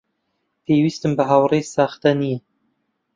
پێویستم بە هاوڕێی ساختە نییە.